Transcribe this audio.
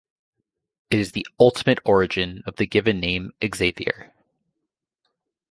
It is the ultimate origin of the given name Xavier.